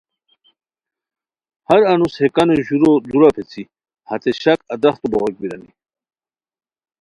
ہر انوس ہے کانو ژورو دورا پیڅھی ہتے شاک ادرختو بوغاک بیرانی